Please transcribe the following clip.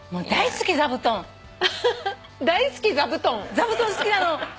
座布団好きなの。